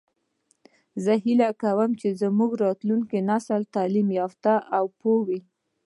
زه هیله کوم چې زموږ راتلونکی نسل تعلیم یافته او پوه وي